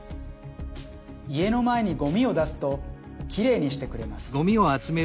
家の前にごみを出すときれいにしてくれます。